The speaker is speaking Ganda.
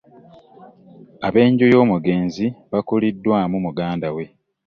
Ab'enju y'omugenzi bakuliddwamu muganda we